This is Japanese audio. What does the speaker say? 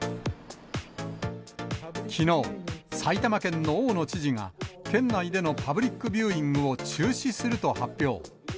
きのう、埼玉県の大野知事が、県内でのパブリックビューイングを中止すると発表。